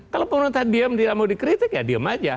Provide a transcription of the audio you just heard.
kalau pemerintah diem tidak mau dikritik ya diem saja